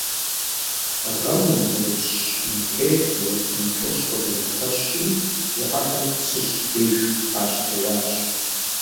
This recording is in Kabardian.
А гъэм монголыпщ Мункэ зауэлӏ мин плӏыщӏ къызэригъэпэщри, зыхьэхэм Псыжь деж къащытеуащ.